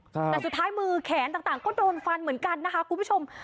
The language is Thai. แต่สุดท้ายมือแขนต่างก็โดนฟันเหมือนกันนะคะคุณผู้ชม